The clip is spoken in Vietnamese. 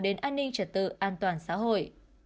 đến an ninh trật tự an toàn xã hội